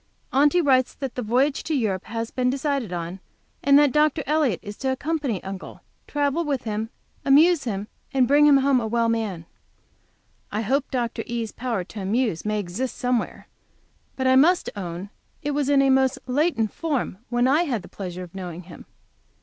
Aunty writes that the voyage to Europe has been decided on, and that Dr. Elliott is to accompany Uncle, travel with him, amuse him, and bring him home a well man. I hope Dr. E.'s power to amuse may exist somewhere, but must own it was in a most latent form when I had the pleasure of knowing him.